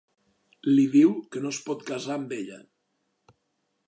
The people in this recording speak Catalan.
Li diu que no es pot casar amb ella.